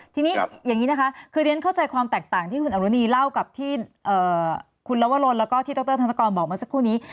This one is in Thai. ทีนี้อย่างนี้นะคะคือเรียนเข้าใจความแตกต่างที่คุณอรุณีเล่ากับที่คุณลวรนแล้วก็ที่ดรธนกรบอกเมื่อสักครู่นี้